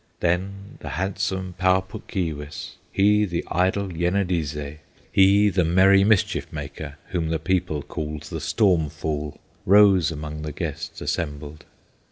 Then the handsome Pau Puk Keewis, He the idle Yenadizze, He the merry mischief maker, Whom the people called the Storm Fool, Rose among the guests assembled.